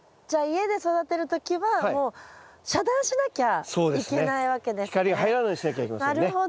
じゃあ家で育てる時はもう遮断しなきゃいけないわけですね。